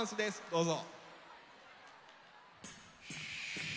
どうぞ。